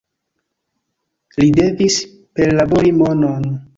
Li devis perlabori monon.